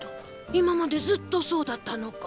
今までずっとそうだったのか？